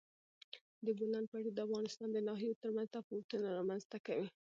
د بولان پټي د افغانستان د ناحیو ترمنځ تفاوتونه رامنځ ته کوي.